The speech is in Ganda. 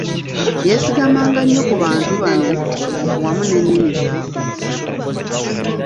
Yeesigamanga nnyo ku bantu bano wamu n'ennimi zaabwe.